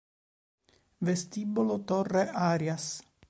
Vestibolo Torre Arias